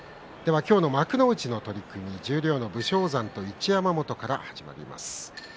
幕内の取組、十両の武将山と一山本から始まります。